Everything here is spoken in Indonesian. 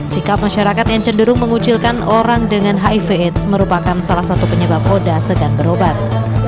sikap masyarakat yang cenderung mengucilkan orang dengan hiv aids merupakan salah satu penyebab oda segan berobat